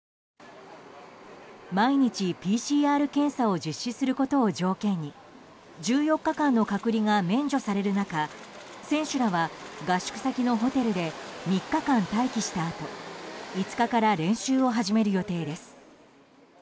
毎日ＰＣＲ検査を実施することを条件に１４日間の隔離が免除される中選手らは合宿先のホテルで３日間待機したあと５日から練習を始める予定です。